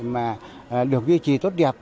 mà được duy trì tốt đẹp